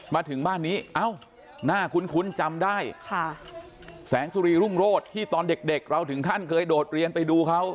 มาถึงบ้านนี้เอ้าหน้าคุ้นจำได้ค่ะแสงสุรีรุ่งโรศที่ตอนเด็กเด็กเราถึงขั้นเคยโดดเรียนไปดูเขา